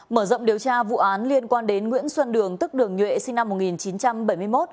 mở rộng điều tra vụ án liên quan đến nguyễn xuân đường tức đường nhuệ sinh năm một nghìn chín trăm bảy mươi một